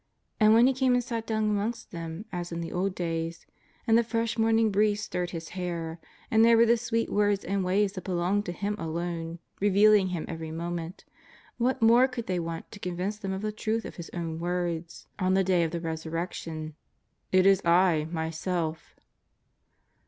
And when He came and sat down amongst them as in the old days, and the fresh morning breeze stirred His hair, and there were the sweet words and ways that belonged to Him alone, revealing Him every moment — what more could they want to convince them of the truth '^f His own word^ 394 JESUS OF NAZARETH. on the Day of the Kesurrection :" It is I Myself